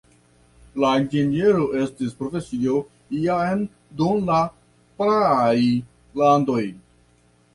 La inĝeniero estis profesio jam dum la praaj landoj.